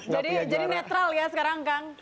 jadi netral ya sekarang kang